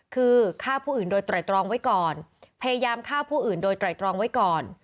คือฆ่าผู้อื่นโดยไตรตรองไว้ก่อนพยายามฆ่าผู้อื่นโดยไตรตรองไว้ก่อน